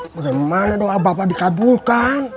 bagaimana doa bapak dikabulkan